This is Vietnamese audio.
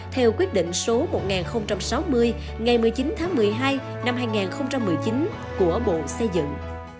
theo quyết định số một nghìn sáu mươi ngày một mươi chín tháng một mươi hai năm hai nghìn một mươi chín của bộ xây dựng